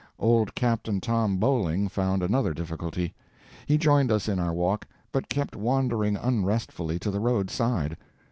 Old Captain Tom Bowling found another difficulty. He joined us in our walk, but kept wandering unrestfully to the roadside.